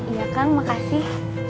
iya kak makasih